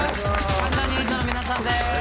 関ジャニ∞の皆さんです。